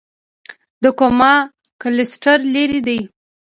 د کوما کلسټر لیرې دی.